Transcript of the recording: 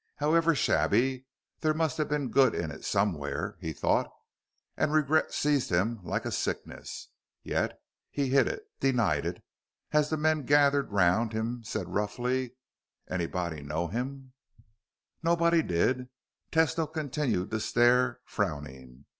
However shabby, there must have been good in it somewhere, he thought, and regret seized him like a sickness. Yet he hid it, denied it, and as men gathered round he said roughly, "Anybody know him?" Nobody did. Tesno continued to stare, frowning.